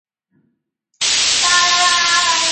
堆栈与队列的顺序存储结构